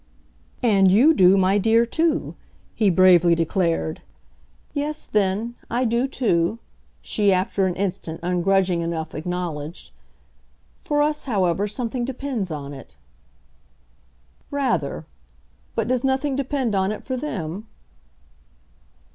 "And you do, my dear, too!" he bravely declared. "Yes then I do too," she after an instant ungrudging enough acknowledged. "For us, however, something depends on it." "Rather! But does nothing depend on it for them?"